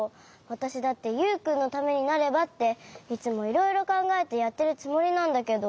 わたしだってユウくんのためになればっていつもいろいろかんがえてやってるつもりなんだけど。